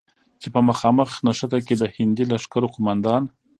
چې په مخامخ نښته کې د هندي لښکرو قوماندان،